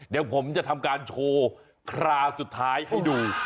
เดี๋ยวผมจะทำการโชว์คราวสุดท้ายให้ดู